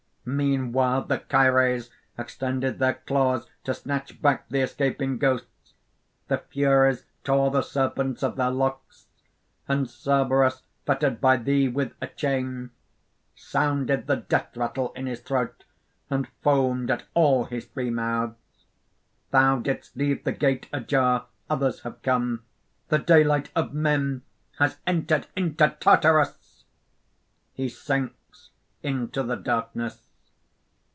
"Meanwhile the Kæres extended their claws to snatch back the escaping ghosts; the Furies tore the serpents of their locks; and Cerberus fettered by thee with a chain, sounded the death rattle in his throat, and foamed at all his three mouths. "Thou didst leave the gate ajar; others have come. The daylight of men has entered into Tartarus!" (_He sinks into the darkness.